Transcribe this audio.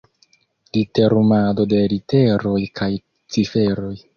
Literumado de literoj kaj ciferoj.